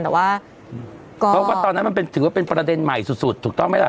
แต่ว่าเพราะว่าตอนนั้นมันถือว่าเป็นประเด็นใหม่สุดถูกต้องไหมล่ะ